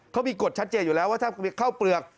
เขามีกฎชัดเจนอยู่แล้วว่าถ้าเข้าเปลือก